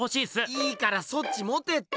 いいからそっち持てって！